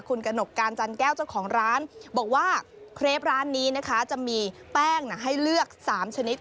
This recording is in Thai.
คุณกระหนกการจันแก้วเจ้าของร้านบอกว่าเครปร้านนี้นะคะจะมีแป้งให้เลือก๓ชนิด